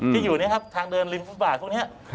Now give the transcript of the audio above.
ที่อยู่ทางเดินริมฟุตบาทพวกนี้